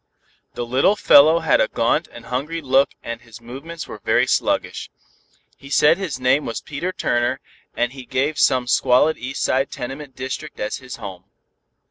The little fellow had a gaunt and hungry look and his movements were very sluggish. He said his name was Peter Turner and he gave some squalid east side tenement district as his home.